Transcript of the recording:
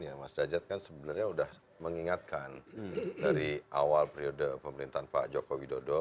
ya mas dajat kan sebenarnya sudah mengingatkan dari awal periode pemerintahan pak joko widodo